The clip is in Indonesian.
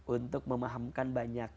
untuk memahamkan banyak